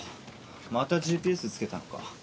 またＧＰＳつけたのか？